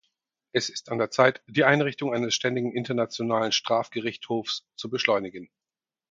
Es ist an der Zeit, die Einrichtung eines ständigen internationalen Strafgerichthofs zu beschleunigen.